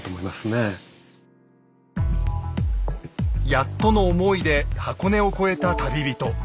やっとの思いで箱根を越えた旅人。